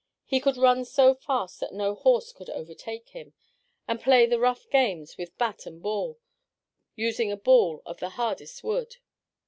He could run so fast that no horse could overtake him, and play the rough games with bat and ball, using a ball of the hardest wood.